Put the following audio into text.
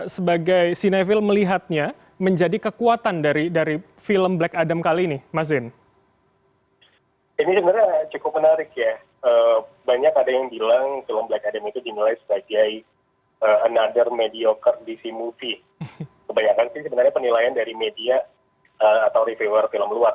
sebenarnya penilaian dari media atau reviewer film luar